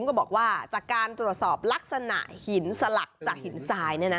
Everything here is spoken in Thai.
ก็บอกว่าจากการตรวจสอบลักษณะหินสลักจากหินทราย